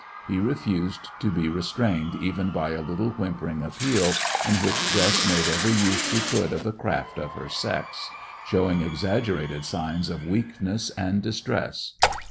He refused to be restrained even by a little whimpering appeal, in which Jess made every use she could of the craft of her sex, showing exaggerated signs of weakness and distress.